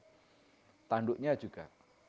nah kalau kita mencari kaya juga